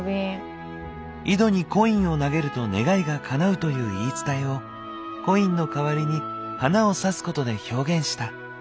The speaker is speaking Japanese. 井戸にコインを投げると願いがかなうという言い伝えをコインの代わりに花を挿すことで表現した。